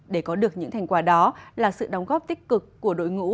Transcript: để có được những thành quả đó là sự đóng góp tích cực của đội ngũ